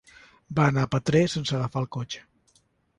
Va anar a Petrer sense agafar el cotxe.